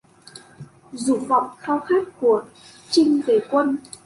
Dục vọng khao khát của trình về Quân